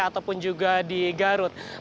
ataupun juga di garut